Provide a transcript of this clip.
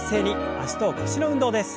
脚と腰の運動です。